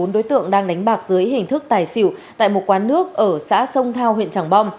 một mươi bốn đối tượng đang đánh bạc dưới hình thức tài xỉu tại một quán nước ở xã sông thao huyện trảng bom